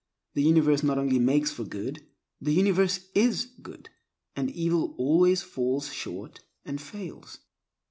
The universe not only makes for good, the universe is good, and evil always falls short and fails.